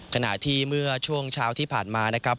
ขณะที่เมื่อช่วงเช้าที่ผ่านมานะครับ